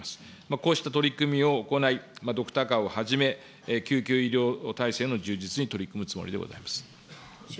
こうした取り組みを行い、ドクターカーをはじめ、救急医療体制の充実に取り組むつもりでございます。